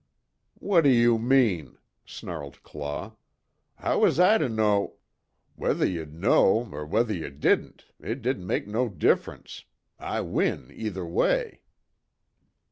"What'd you mean?" snarled Claw, "How was I to know " "Whether ye know'd, er whether ye didn't, it didn't make no difference I win either way."